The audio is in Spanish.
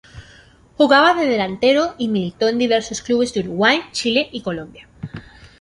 Jugaba de delantero y militó en diversos clubes de Uruguay, Chile y Colombia.